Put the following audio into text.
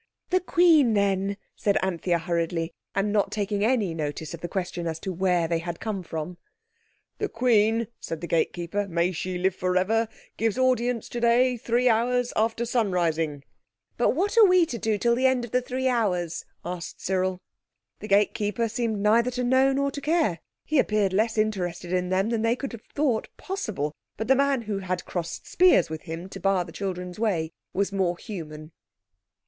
"The Queen then," said Anthea hurriedly, and not taking any notice of the question as to where they had come from. "The Queen," said the gatekeeper, "(may she live for ever!) gives audience today three hours after sunrising." "But what are we to do till the end of the three hours?" asked Cyril. The gatekeeper seemed neither to know nor to care. He appeared less interested in them than they could have thought possible. But the man who had crossed spears with him to bar the children's way was more human.